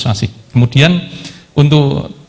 masih kemudian untuk